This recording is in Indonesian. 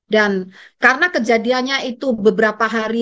dan karena kejadiannya itu beberapa hari